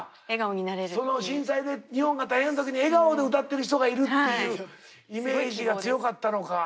震災で日本が大変だった時に笑顔で歌ってる人がいるっていうイメージが強かったのか。